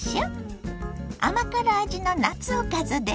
甘辛味の夏おかずです。